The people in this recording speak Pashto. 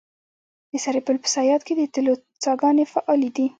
د سرپل په صیاد کې د تیلو څاګانې فعالې دي.